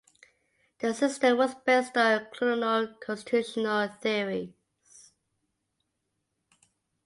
The system was based on colonial constitutional theories.